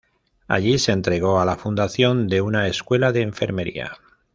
Allí se entregó a la fundación de una escuela de enfermería.